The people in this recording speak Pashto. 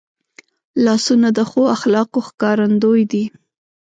لاسونه د ښو اخلاقو ښکارندوی دي